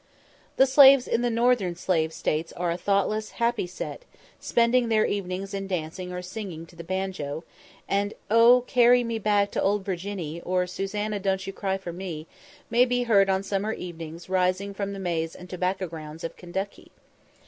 The slaves in the northern slave States are a thoughtless, happy set, spending their evenings in dancing or singing to the banjo; and 'Oh, carry me back to Old Virginny,' or 'Susannah, don't you cry for me,' may be heard on summer evenings rising from the maize and tobacco grounds of Kentucky.